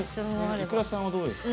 ｉｋｕｒａさんはどうですか？